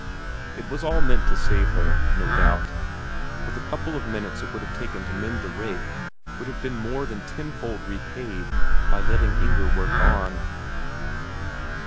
It was all meant to save her, no doubt; for the couple of minutes it would have taken to mend the rake would have been more than tenfold repaid by letting Inger work on.